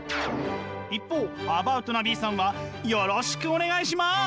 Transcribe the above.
一方アバウトなＢさんはよろしくお願いします！